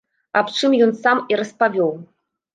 Аб чым ён сам і распавёў.